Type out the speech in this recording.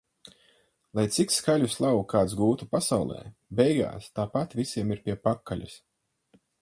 Lai cik skaļu slavu kāds gūtu pasaulē - beigās tāpat visiem ir pie pakaļas.